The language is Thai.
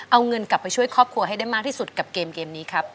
เอาเงินกลับไปช่วยครอบครัวให้ได้มากที่สุดกับเกมนี้ครับ